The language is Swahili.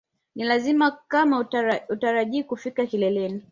Ni lazima kama unatarajia kufika kileleni